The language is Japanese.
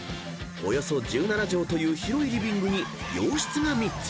［およそ１７畳という広いリビングに洋室が３つ］